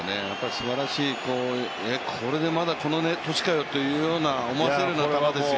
すばらしい、これでまだこの年かよと思わせるような球ですよ。